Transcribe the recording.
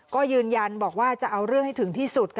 ก็ยืนยันบอกว่าจะเอาเรื่องให้ถึงที่สุด